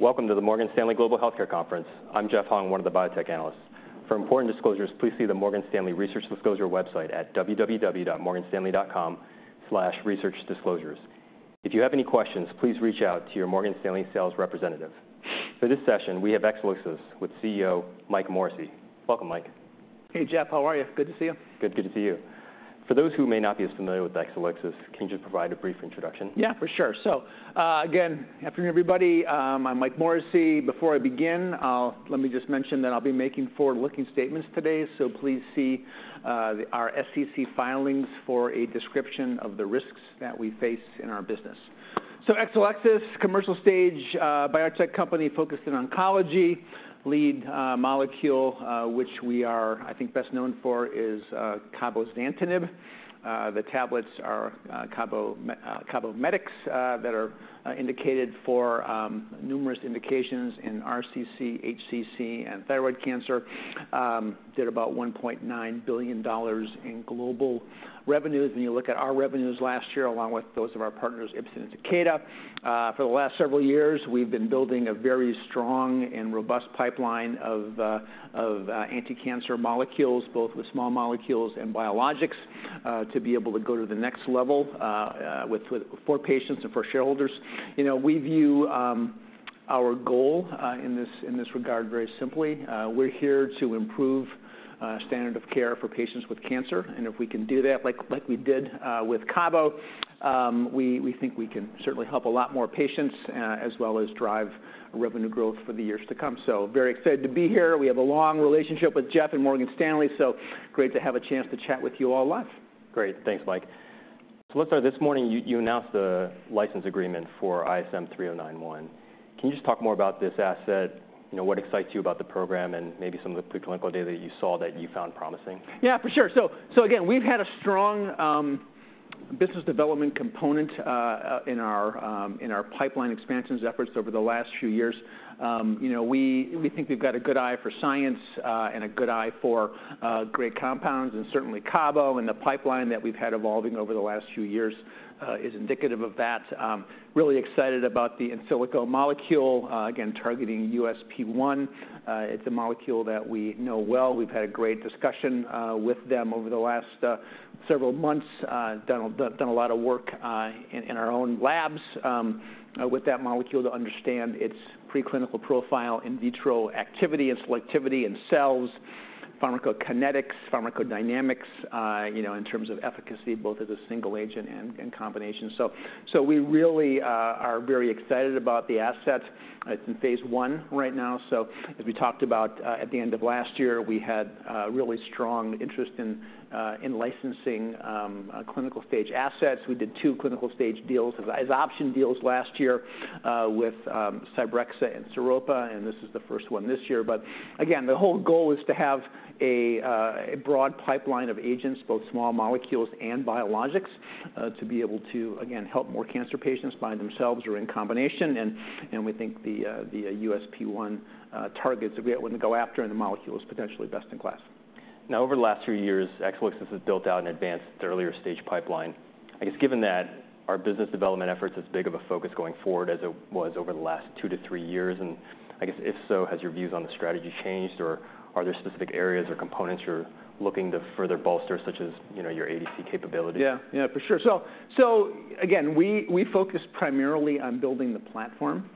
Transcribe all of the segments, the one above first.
Welcome to the Morgan Stanley Global Healthcare Conference. I'm Jeffrey Hung, one of the biotech analysts. For important disclosures, please see the Morgan Stanley Research Disclosure website at www.morganstanley.com/researchdisclosures. If you have any questions, please reach out to your Morgan Stanley sales representative. For this session, we have Exelixis with CEO Mike Morrissey. Welcome, Mike. Hey, Jeff. How are you? Good to see you. Good. Good to see you. For those who may not be as familiar with Exelixis, can you just provide a brief introduction? Yeah, for sure. So, again, afternoon, everybody. I'm Mike Morrissey. Before I begin, let me just mention that I'll be making forward-looking statements today, so please see our SEC filings for a description of the risks that we face in our business. So Exelixis, commercial stage, biotech company focused in oncology. Lead molecule, which we are, I think, best known for is cabozantinib. The tablets are Cabometyx that are indicated for numerous indications in RCC, HCC, and thyroid cancer. Did about $1.9 billion in global revenues, and you look at our revenues last year, along with those of our partners, Ipsen and Takeda. For the last several years, we've been building a very strong and robust pipeline of anticancer molecules, both with small molecules and biologics to be able to go to the next level with for patients and for shareholders., we view our goal in this regard very simply. We're here to improve standard of care for patients with cancer, and if we can do that, like we did with Cabo, we think we can certainly help a lot more patients as well as drive revenue growth for the years to come. So very excited to be here. We have a long relationship with Jeff and Morgan Stanley, so great to have a chance to chat with you all live. Great. Thanks, Mike. So let's start. This morning, you announced the license agreement for ISM3091. Can you just talk more about this asset what excites you about the program, and maybe some of the preclinical data you saw that you found promising? Yeah, for sure. So again, we've had a strong business development component in our pipeline expansion efforts over the last few years., we think we've got a good eye for science and a good eye for great compounds and certainly Cabo and the pipeline that we've had evolving over the last few years is indicative of that. Really excited about the Insilico molecule again, targeting USP1. It's a molecule that we know well. We've had a great discussion with them over the last several months. Done a lot of work in our own labs with that molecule to understand its preclinical profile, in vitro activity and selectivity in cells, pharmacokinetics, pharmacodynamics in terms of efficacy, both as a single agent and combination. So we really are very excited about the asset. It's in phase one right now, so as we talked about, at the end of last year, we had really strong interest in licensing clinical stage assets. We did two clinical stage deals, as option deals last year, with Cybrexa and Serova, and this is the first one this year. But again, the whole goal is to have a broad pipeline of agents, both small molecules and biologics, to be able to, again, help more cancer patients by themselves or in combination. And we think the USP1 targets we're going to go after in the molecule is potentially best in class. Now, over the last few years, Exelixis has built out and advanced the earlier stage pipeline. I guess, given that, are business development efforts as big of a focus going forward as it was over the last two to three years? And I guess, if so, has your views on the strategy changed, or are there specific areas or components you're looking to further bolster, such as your ADC capability? Yeah, yeah, for sure. So again, we focused primarily on building the platform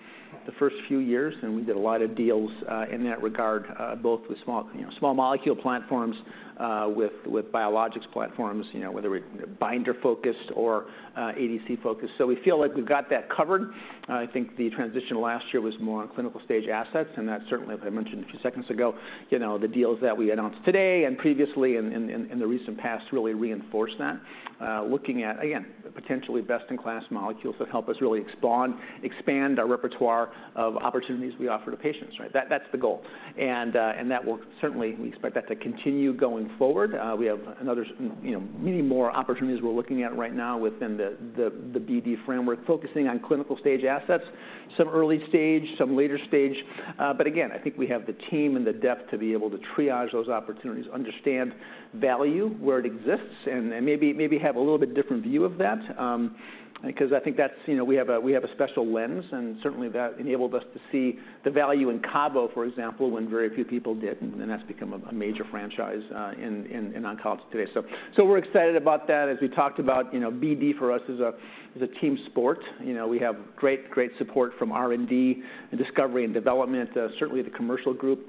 the first few years, and we did a lot of deals in that regard, both with small molecule platforms, with biologics platforms whether we're binder-focused or ADC-focused. So we feel like we've got that covered. I think the transition last year was more on clinical-stage assets, and that certainly, as I mentioned a few seconds ago the deals that we announced today and previously in the recent past really reinforce that. Looking at, again, potentially best-in-class molecules that help us really expand our repertoire of opportunities we offer to patients, right? That's the goal. And that will certainly... we expect that to continue going forward. We have another many more opportunities we're looking at right now within the BD framework, focusing on clinical stage assets, some early stage, some later stage. But again, I think we have the team and the depth to be able to triage those opportunities, understand value, where it exists, and then maybe have a little bit different view of that. Because I think that's we have a special lens, and certainly that enabled us to see the value in Cabo, for example, when very few people did, and that's become a major franchise in oncology today. So we're excited about that. As we talked about BD for us is a team sport., we have great support from R&D and Discovery and Development. Certainly, the commercial group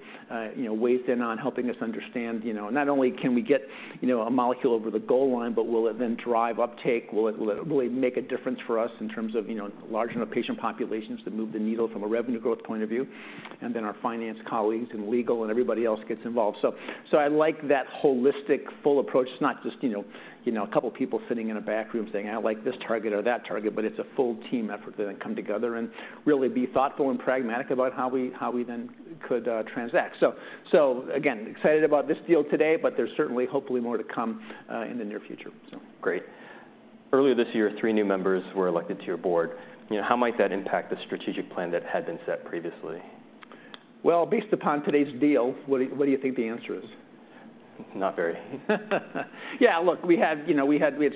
weighs in on helping us understand not only can we get a molecule over the goal line, but will it then drive uptake? Will it, will it make a difference for us in terms of large enough patient populations to move the needle from a revenue growth point of view? And then our finance colleagues and legal and everybody else gets involved. So, so I like that holistic full approach. It's not just a couple people sitting in a back room saying, "I like this target or that target," but it's a full team effort that then come together and really be thoughtful and pragmatic about how we, how we then could, transact. So again, excited about this deal today, but there's certainly hopefully more to come, in the near future. So... Great. Earlier this year, three new members were elected to your board., how might that impact the strategic plan that had been set previously? Well, based upon today's deal, what do you think the answer is? ... Not very. Yeah, look we had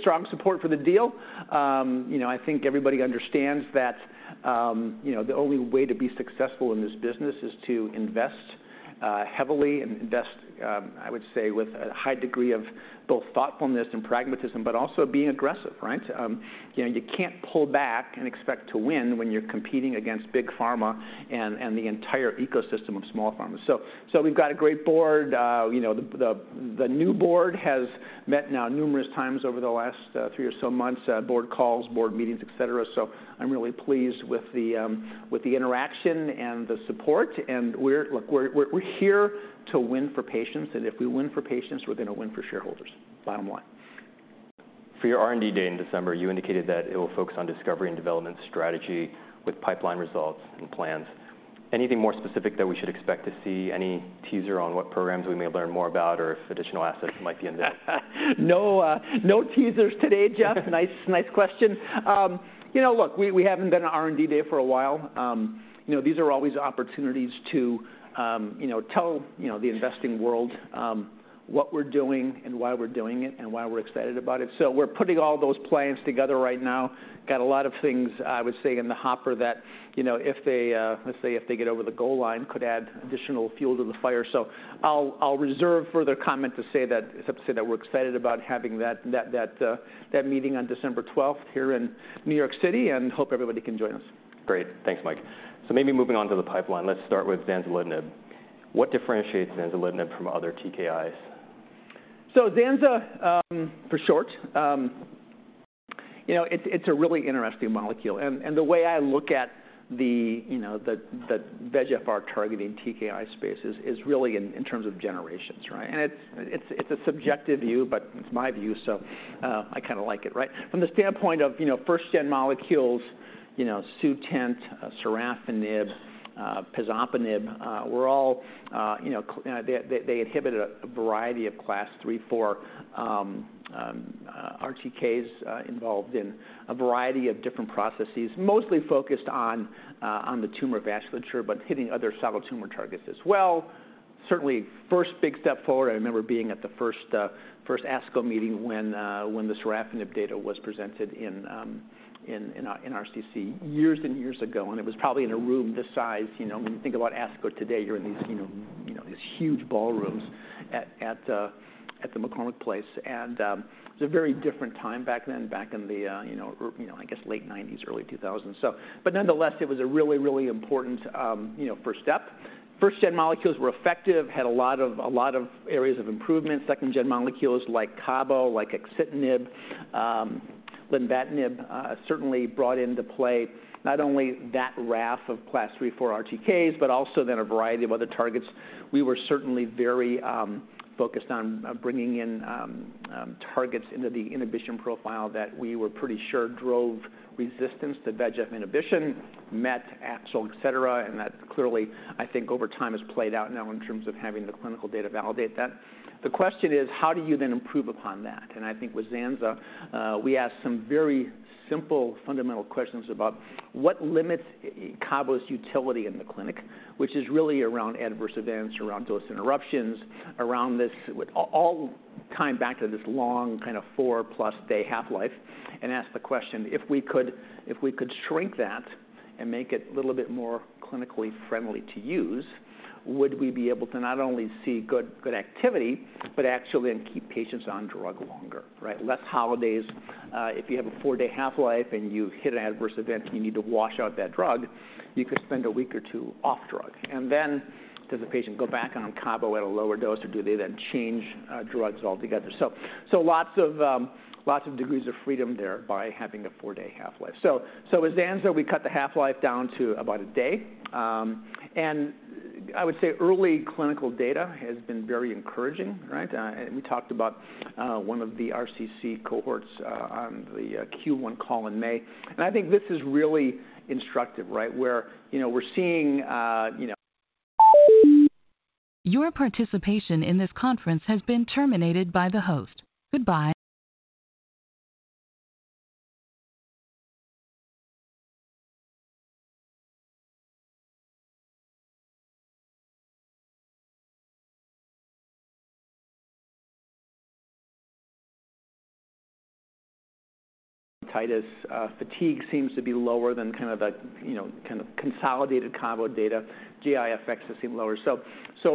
strong support for the deal., I think everybody understands that the only way to be successful in this business is to invest heavily and invest, I would say, with a high degree of both thoughtfulness and pragmatism, but also being aggressive, right?, you can't pull back and expect to win when you're competing against big pharma and the entire ecosystem of small pharma. So we've got a great board., the new board has met now numerous times over the last three or so months, board calls, board meetings, et cetera. So I'm really pleased with the interaction and the support, and we're, look, we're here to win for patients, and if we win for patients, we're going to win for shareholders, bottom line. For your R&D day in December, you indicated that it will focus on discovery and development strategy with pipeline results and plans. Anything more specific that we should expect to see? Any teaser on what programs we may learn more about, or if additional assets might be in there? No, no teasers today, Jeff. Nice, nice question., look, we, we haven't done an R&D day for a while., these are always opportunities to tell the investing world, what we're doing and why we're doing it and why we're excited about it. So we're putting all those plans together right now. Got a lot of things, I would say, in the hopper that if they, let's say, if they get over the goal line, could add additional fuel to the fire. So I'll, I'll reserve further comment to say that, except to say that we're excited about having that, that, that, that meeting on December twelfth here in New York City and hope everybody can join us. Great. Thanks, Mike. So maybe moving on to the pipeline, let's start with zanzalintinib. What differentiates zanzalintinib from other TKIs? So Zanza, for short it's a really interesting molecule, and the way I look at the VEGFR targeting TKI space is really in terms of generations, right? And it's a subjective view, but it's my view, so I kinda like it, right? From the standpoint of first gen molecules Sutent, sorafenib, pazopanib, were all,... They inhibited a variety of class three, four, RTKs, involved in a variety of different processes, mostly focused on the tumor vasculature, but hitting other solid tumor targets as well. Certainly, first big step forward. I remember being at the first ASCO meeting when the sorafenib data was presented in RCC, years and years ago, and it was probably in a room this size., when you think about ASCO today, you're in these huge ballrooms at the McCormick Place. And it was a very different time back then, back in the I guess late 1990s, early 2000s. So but nonetheless, it was a really, really important first step. First gen molecules were effective, had a lot of, a lot of areas of improvement. Second gen molecules like Cabo, like axitinib, lenvatinib, certainly brought into play not only that RAF of class three, four RTKs, but also then a variety of other targets. We were certainly very focused on bringing in targets into the inhibition profile that we were pretty sure drove resistance to VEGF inhibition, MET, AXL, et cetera. And that clearly, I think over time, has played out now in terms of having the clinical data validate that. The question is: how do you then improve upon that? And I think with Zanza, we asked some very simple, fundamental questions about what limits Cabo's utility in the clinic, which is really around adverse events, around dose interruptions, around this. All, all tying back to this long, kind of 4+ day half-life, and ask the question: if we could, if we could shrink that and make it a little bit more clinically friendly to use, would we be able to not only see good, good activity, but actually then keep patients on drug longer, right? Less holidays. If you have a 4-day half-life and you hit an adverse event and you need to wash out that drug, you could spend a week or 2 off drug. And then does the patient go back on Cabo at a lower dose, or do they then change drugs altogether? So, lots of degrees of freedom there by having a 4-day half-life. So, with Zanza, we cut the half-life down to about a day. And I would say early clinical data has been very encouraging, right? And we talked about 1 of the RCC cohorts on the Q1 call in May. And I think this is really instructive, right? Where we're seeing, - Your participation in this conference has been terminated by the host. Goodbye. ... Titus, fatigue seems to be lower than kind of the kind of consolidated combo data. GI effects seem lower. So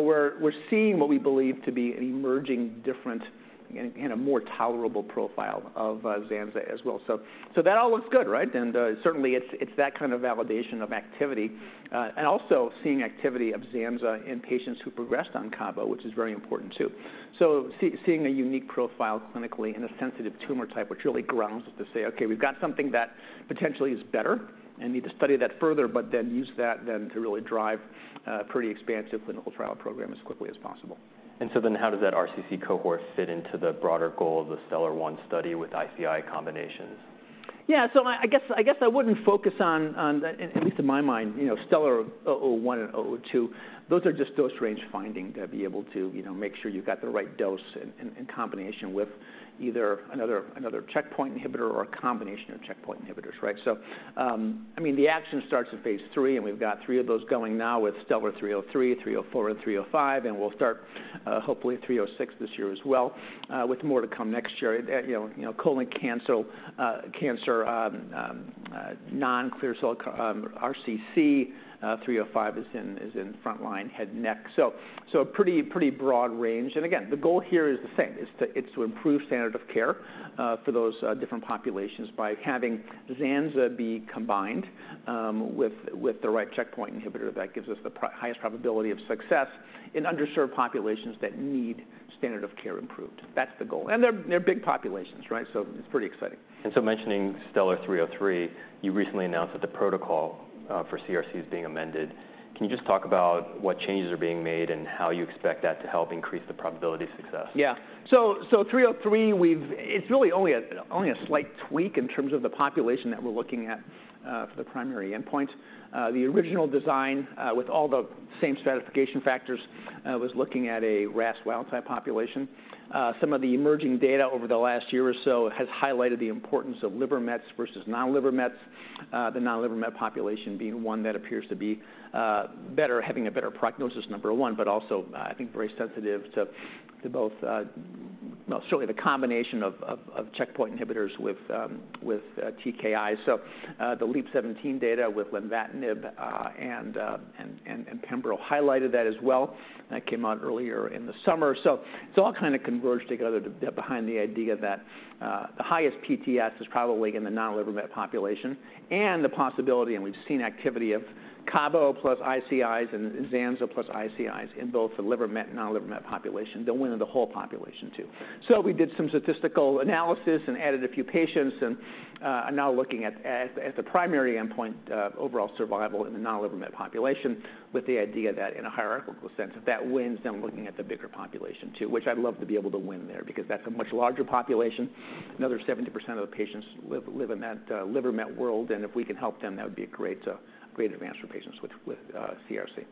we're seeing what we believe to be an emerging different and a more tolerable profile of Zanza as well. So that all looks good, right? And certainly, it's that kind of validation of activity, and also seeing activity of Zanza in patients who progressed on Cabo, which is very important too. Seeing a unique profile clinically in a sensitive tumor type, which really grounds us to say, "Okay, we've got something that potentially is better and need to study that further," but then use that to really drive a pretty expansive clinical trial program as quickly as possible. How does that RCC cohort fit into the broader goal of the STELLAR-001 study with ICI combinations?... Yeah, so I guess I wouldn't focus on the, at least in my mind STELLAR-301 and 302, those are just dose range finding to be able to make sure you've got the right dose in combination with either another checkpoint inhibitor or a combination of checkpoint inhibitors, right? So, I mean, the action starts at phase 3, and we've got three of those going now with STELLAR-303, 304, and 305, and we'll start, hopefully, 306 this year as well, with more to come next year., colon cancer, non-clear cell RCC, 305 is in frontline head and neck. So a pretty, pretty broad range, and again, the goal here is the same. It's to improve standard of care for those different populations by having Zanza be combined with the right checkpoint inhibitor that gives us the highest probability of success in underserved populations that need standard of care improved. That's the goal, and they're big populations, right? So it's pretty exciting. And so mentioning STELLAR-303, you recently announced that the protocol for CRC is being amended. Can you just talk about what changes are being made and how you expect that to help increase the probability of success? Yeah. So, 303, we've... It's really only a slight tweak in terms of the population that we're looking at for the primary endpoint. The original design with all the same stratification factors was looking at a RAS wild type population. Some of the emerging data over the last year or so has highlighted the importance of liver mets versus non-liver mets, the non-liver mets population being one that appears to be better, having a better prognosis, number one, but also, I think very sensitive to both, well, certainly the combination of checkpoint inhibitors with TKIs. So, the LEAP-017 data with lenvatinib and pembro highlighted that as well. That came out earlier in the summer. So it's all kind of converged together to behind the idea that the highest PTS is probably in the non-liver mets population, and the possibility, and we've seen activity of CABO plus ICIs and Zanza plus ICIs in both the liver mets and non-liver mets population, the win in the whole population too. So we did some statistical analysis and added a few patients and are now looking at the primary endpoint, overall survival in the non-liver mets population, with the idea that in a hierarchical sense, if that wins, then looking at the bigger population too, which I'd love to be able to win there because that's a much larger population. Another 70% of the patients live in that liver mets world, and if we can help them, that would be a great advance for patients with CRC.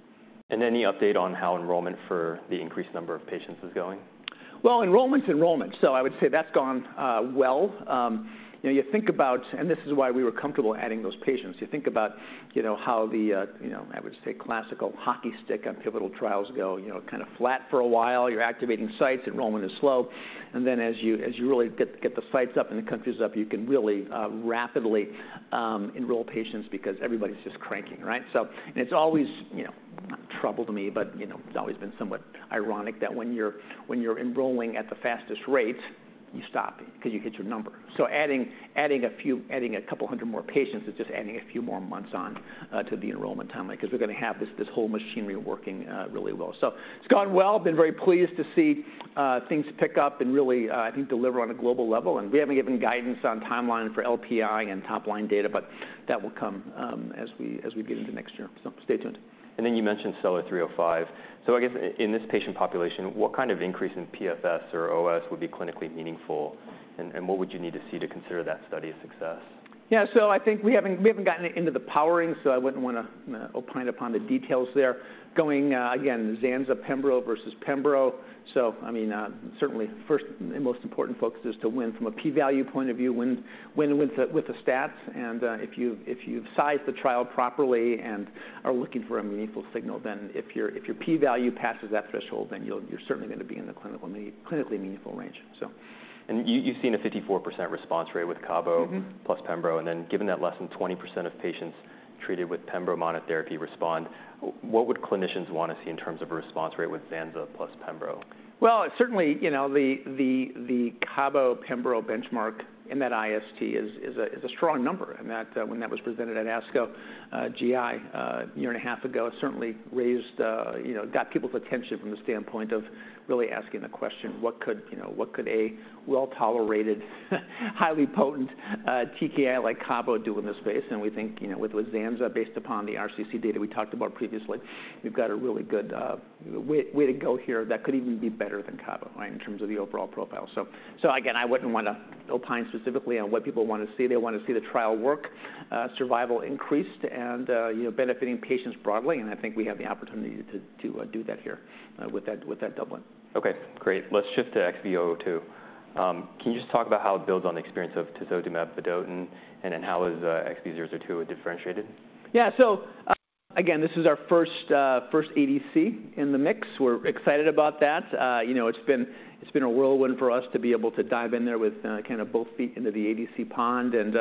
Any update on how enrollment for the increased number of patients is going? Well, enrollment's enrollment, so I would say that's gone well. , you think about... And this is why we were comfortable adding those patients. You think about how the I would say, classical hockey stick on pivotal trials go kind of flat for a while. You're activating sites, enrollment is slow, and then as you really get the sites up and the countries up, you can really rapidly enroll patients because everybody's just cranking, right? So and it's always not trouble to me, but it's always been somewhat ironic that when you're enrolling at the fastest rate, you stop because you hit your number. So adding a couple hundred more patients is just adding a few more months on to the enrollment timeline 'cause we're gonna have this whole machinery working really well. So it's gone well. Been very pleased to see things pick up and really, I think, deliver on a global level, and we haven't given guidance on timeline for LPI and top-line data, but that will come as we get into next year, so stay tuned. And then you mentioned STELLAR-305. So I guess in this patient population, what kind of increase in PFS or OS would be clinically meaningful, and what would you need to see to consider that study a success? Yeah, so I think we haven't gotten into the powering, so I wouldn't wanna opine upon the details there. Going again, Zanza pembro versus pembro, so I mean, certainly first and most important focus is to win from a p-value point of view, win with the stats. And if you've sized the trial properly and are looking for a meaningful signal, then if your p-value passes that threshold, then you're certainly gonna be in the clinically meaningful range, so. You, you've seen a 54% response rate with CABO- Mm-hmm... plus pembro, and then given that less than 20% of patients treated with pembro monotherapy respond, what would clinicians want to see in terms of a response rate with Zanza plus pembro? Well, certainly the CABO pembro benchmark in that IST is a strong number, and that, when that was presented at ASCO, GI, a year and a half ago, certainly raised got people's attention from the standpoint of really asking the question: What could what could a well-tolerated, highly potent, TKI like CABO do in this space? And we think with Zanza, based upon the RCC data we talked about previously, we've got a really good, way to go here that could even be better than CABO, right? In terms of the overall profile. So, again, I wouldn't want to opine specifically on what people want to see. They want to see the trial work, survival increased and benefiting patients broadly, and I think we have the opportunity to do that here, with that doubling. Okay, great. Let's shift to XB002. Can you just talk about how it builds on the experience of tisotumab vedotin, and then how is XB002 differentiated? Yeah. So, again, this is our first, first ADC in the mix. We're excited about that., it's been, it's been a whirlwind for us to be able to dive in there with, kind of both feet into the ADC pond, and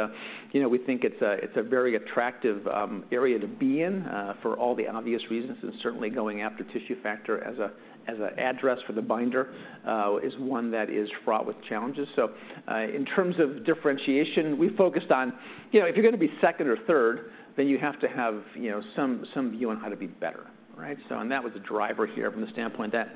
we think it's a, it's a very attractive, area to be in, for all the obvious reasons, and certainly going after tissue factor as a, as a address for the binder, is one that is fraught with challenges. So, in terms of differentiation, we focused on..., if you're gonna be second or third, then you have to have some, some view on how to be better, right? That was the driver here from the standpoint that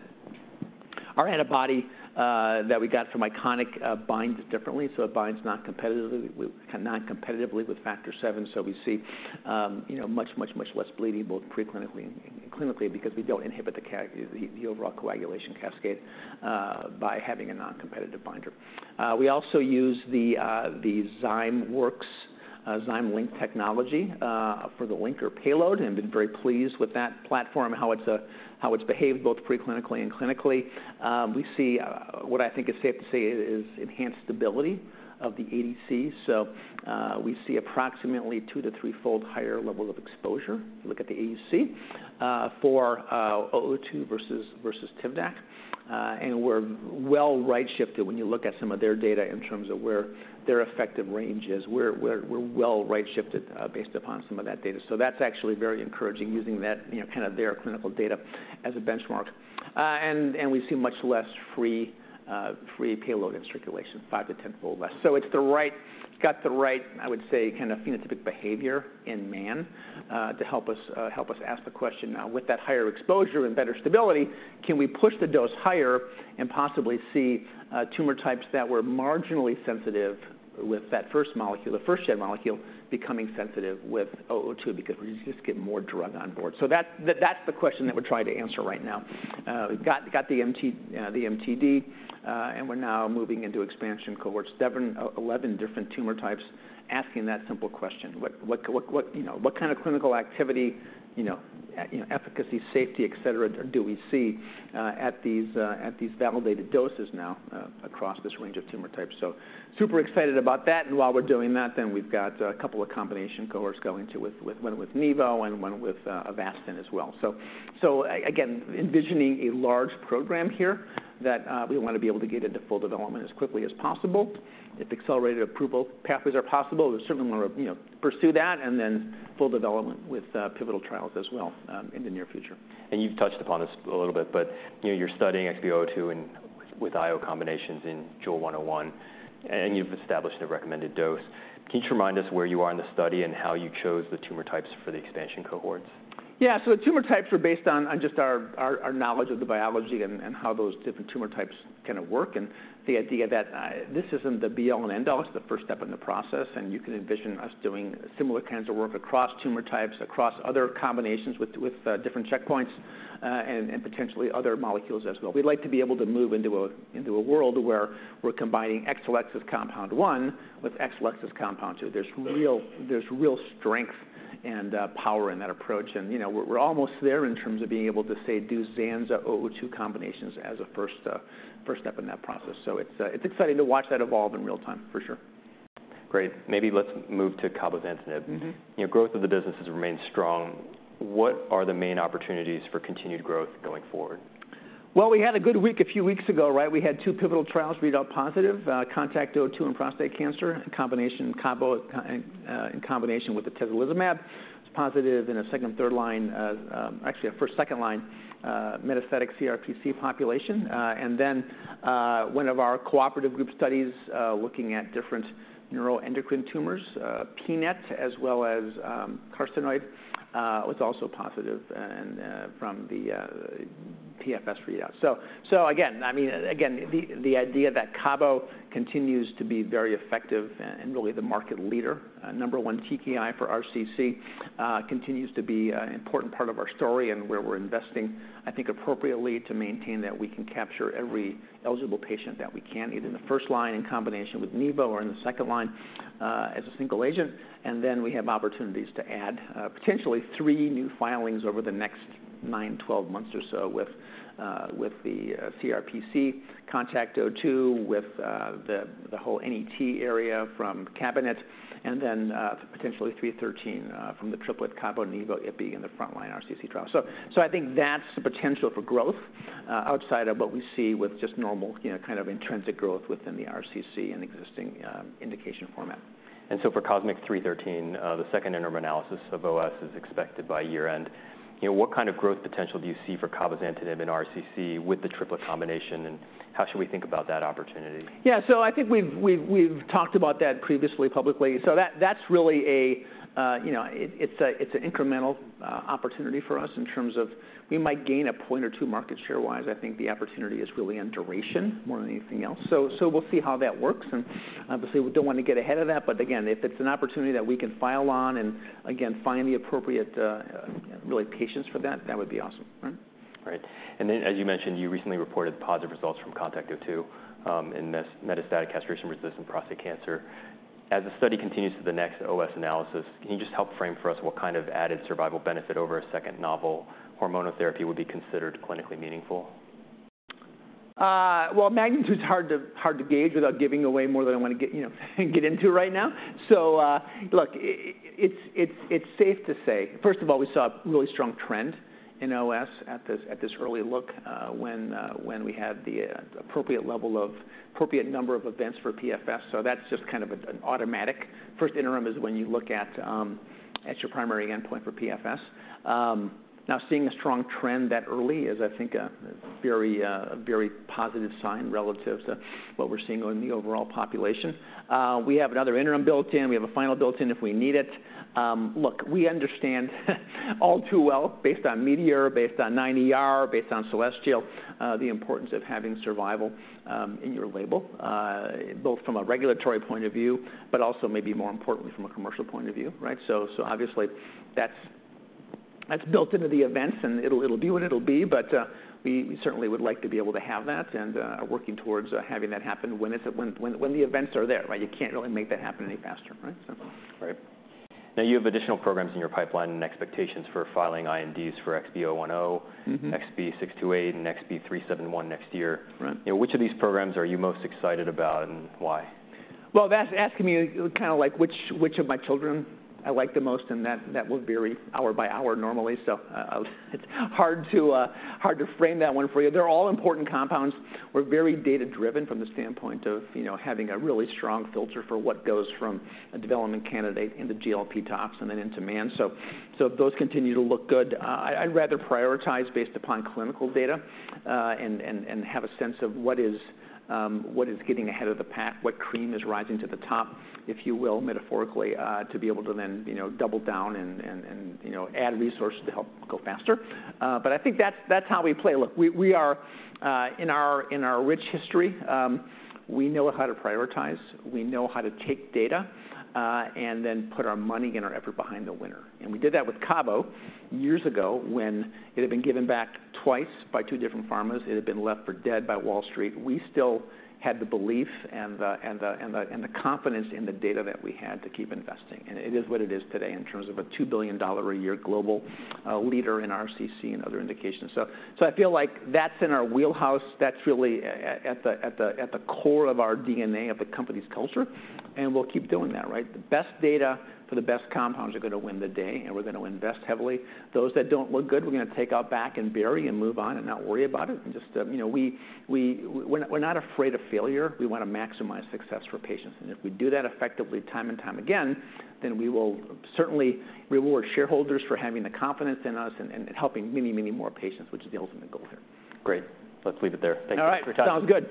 our antibody that we got from Iconic binds differently, so it binds not competitively with factor VII. So we see much, much, much less bleeding, both preclinically and clinically, because we don't inhibit the overall coagulation cascade by having a non-competitive binder. We also use the Zymeworks ZymLink technology for the linker payload and been very pleased with that platform, how it's behaved both pre-clinically and clinically. We see what I think is safe to say is enhanced stability of the ADC, so we see approximately two to threefold higher level of exposure, look at the AUC for XB002 versus Tivdak. And we're well right-shifted when you look at some of their data in terms of where their effective range is. We're well right-shifted, based upon some of that data. So that's actually very encouraging, using that kind of their clinical data as a benchmark. And we see much less free payload in circulation, five to 10-fold less. So it's the right—It's got the right, I would say, kind of phenotypic behavior in man, to help us ask the question now, with that higher exposure and better stability, can we push the dose higher and possibly see tumor types that were marginally sensitive with that first molecule, the first-gen molecule, becoming sensitive with XB002 because we just get more drug on board? So that's the question that we're trying to answer right now. We've got the MTD, and we're now moving into expansion cohorts, 11 different tumor types, asking that simple question: what kind of clinical activity efficacy, safety, et cetera, do we see at these validated doses now across this range of tumor types? So super excited about that. And while we're doing that, we've got a couple of combination cohorts going, too, with one with nivo and one with Avastin as well. So again, envisioning a large program here that we want to be able to get into full development as quickly as possible. If accelerated approval pathways are possible, we certainly want to pursue that and then full development with pivotal trials as well in the near future. You've touched upon this a little bit, but you're studying XB002 and with IO combinations in XL001, and you've established the recommended dose. Can you just remind us where you are in the study and how you chose the tumor types for the expansion cohorts? Yeah. So the tumor types were based on just our knowledge of the biology and how those different tumor types kind of work, and the idea that this isn't the be-all and end-all. It's the first step in the process, and you can envision us doing similar kinds of work across tumor types, across other combinations with different checkpoints and potentially other molecules as well. We'd like to be able to move into a world where we're combining Exelixis compound one with Exelixis compound two. There's real strength and power in that approach, and we're almost there in terms of being able to say do Zanza 002 combinations as a first step in that process. So it's exciting to watch that evolve in real time, for sure. Great. Maybe let's move to cabozantinib. Mm-hmm., growth of the business has remained strong. What are the main opportunities for continued growth going forward? Well, we had a good week a few weeks ago, right? We had two pivotal trials read out positive, CONTACT-02 and prostate cancer in combination, cabo, in combination with atezolizumab. It's positive in a second and third line, actually, a first, second line, metastatic CRPC population. And then, one of our cooperative group studies, looking at different neuroendocrine tumors, PNET, as well as, carcinoid, was also positive, and, from the, PFS readout. So again, I mean, again, the idea that Cabo continues to be very effective and really the market leader, number one TKI for RCC, continues to be an important part of our story and where we're investing, I think appropriately, to maintain that we can capture every eligible patient that we can, either in the first line in combination with nivo or in the second line, as a single agent. And then we have opportunities to add potentially 3 new filings over the next 9, 12 months or so with the CRPC CONTACT-02, with the whole NET area from CABINET, and then potentially COSMIC-313 from the triplet Cabo Nivo ipi in the frontline RCC trial. So, I think that's the potential for growth outside of what we see with just normal kind of intrinsic growth within the RCC and existing indication format. For COSMIC-313, the second interim analysis of OS is expected by year-end., what kind of growth potential do you see for cabozantinib in RCC with the triplet combination, and how should we think about that opportunity? Yeah, so I think we've talked about that previously, publicly. So that's really a, ... It's an incremental opportunity for us in terms of we might gain a point or two market share-wise. I think the opportunity is really on duration more than anything else. So we'll see how that works, and obviously, we don't want to get ahead of that. But again, if it's an opportunity that we can file on and, again, find the appropriate, really, patients for that, that would be awesome. Mm-hmm. Right. And then, as you mentioned, you recently reported positive results from CONTACT-02 in metastatic castration-resistant prostate cancer. As the study continues to the next OS analysis, can you just help frame for us what kind of added survival benefit over a second novel hormonal therapy would be considered clinically meaningful? Well, magnitude is hard to gauge without giving away more than I want to get get into right now. So, look, it's safe to say... First of all, we saw a really strong trend in OS at this early look, when we had the appropriate number of events for PFS, so that's just kind of an automatic. First interim is when you look at your primary endpoint for PFS. Now, seeing a strong trend that early is, I think, a very positive sign relative to what we're seeing in the overall population. We have another interim built in. We have a final built in, if we need it. Look, we understand, all too well, based on METEOR, based on 9ER, based on CELESTIAL, the importance of having survival in your label, both from a regulatory point of view, but also maybe more importantly, from a commercial point of view, right? So, obviously, that's built into the events, and it'll be what it'll be, but we certainly would like to be able to have that and are working towards having that happen when the events are there, right? You can't really make that happen any faster, right? So. Right. Now, you have additional programs in your pipeline and expectations for filing INDs for XB010- Mm-hmm... XB628, and XB371 next year. Right. Which of these programs are you most excited about, and why? Well, that's asking me kind of like which of my children I like the most, and that will vary hour by hour normally. So, it's hard to frame that one for you. They're all important compounds. We're very data-driven from the standpoint of having a really strong filter for what goes from a development candidate into GLP tox and then into man. So those continue to look good. I'd rather prioritize based upon clinical data, and have a sense of what is getting ahead of the pack, what cream is rising to the top, if you will, metaphorically, to be able to then double down and add resources to help go faster. But I think that's how we play. Look, we are in our rich history. We know how to prioritize. We know how to take data and then put our money and our effort behind the winner, and we did that with CABO years ago when it had been given back twice by two different pharmas. It had been left for dead by Wall Street. We still had the belief and the confidence in the data that we had to keep investing, and it is what it is today in terms of a $2 billion a year global leader in RCC and other indications. So I feel like that's in our wheelhouse. That's really at the core of our DNA, of the company's culture, and we'll keep doing that, right? The best data for the best compounds are gonna win the day, and we're gonna invest heavily. Those that don't look good, we're gonna take out back and bury and move on and not worry about it. And just We're not afraid of failure. We wanna maximize success for patients, and if we do that effectively time and time again, then we will certainly reward shareholders for having the confidence in us and, and helping many, many more patients, which is the ultimate goal here. Great. Let's leave it there. Thank you for your time. All right, sounds good.